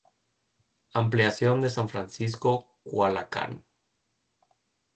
Ampliación San Francisco Culhuacán.